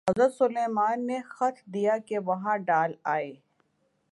حضرت سلیمان نے خط دیا کہ وہاں ڈال آئے۔